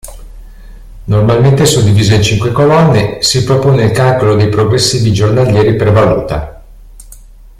Normalmente suddiviso in cinque colonne, si propone il calcolo dei progressivi giornalieri per valuta.